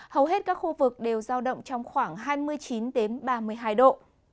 hầu hết các khu vực đều giao động trong khoảng hai mươi chín ba mươi hai độ